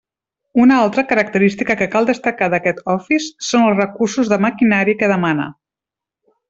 Una altra característica que cal destacar d'aquest Office són els recursos de maquinari que demana.